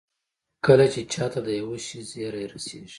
کله چې چا ته د يوه شي زېری رسېږي.